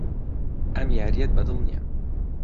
ئەم یارییەت بەدڵ نییە.